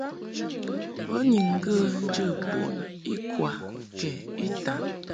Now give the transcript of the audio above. Bo ni ŋgə̌ njə̌ bun ikwa kɛ itan.